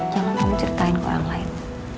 jangan kamu ceritain ke orang lain